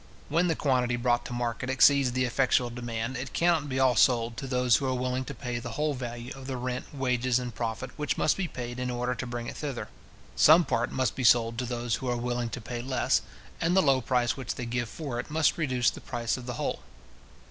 When the quantity brought to market exceeds the effectual demand, it cannot be all sold to those who are willing to pay the whole value of the rent, wages, and profit, which must be paid in order to bring it thither. Some part must be sold to those who are willing to pay less, and the low price which they give for it must reduce the price of the whole.